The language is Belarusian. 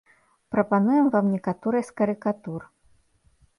Прапануем вам некаторыя з карыкатур.